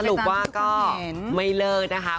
สรุปว่าก็ไม่เลิกนะคะ